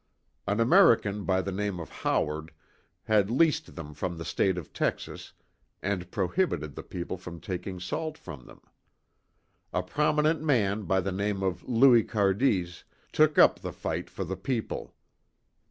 An American by the name of Howard, had leased them from the State of Texas, and prohibited the people from taking salt from them. A prominent man by the name of Louis Cardis, took up the fight for the people.